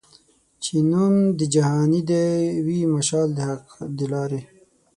چي نوم د جهاني دي وي مشال د حق د لاري